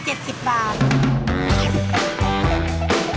ปลากับกระเทียมค่ะปลากับกระเทียมค่ะ